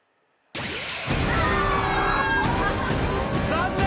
残念！